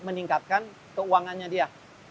meningkatkan keuangannya dia